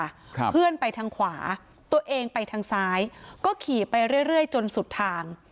ครับเพื่อนไปทางขวาตัวเองไปทางซ้ายก็ขี่ไปเรื่อยเรื่อยจนสุดทาง